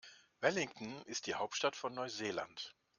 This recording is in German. Wellington ist die Hauptstadt von Neuseeland.